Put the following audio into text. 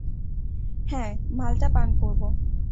হ্যাঁ, মাল্টা পান করব।